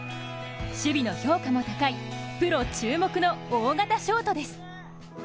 守備の評価も高いプロ注目の大型ショートです。